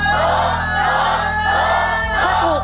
ถูกข้อ๒นี้นะครับ๑หมื่นบาทนะครับ